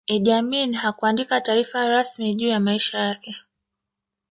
iddi amin hakuandika taarifa rasmi juu ya maisha yake